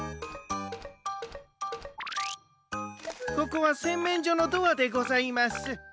ここはせんめんじょのドアでございます。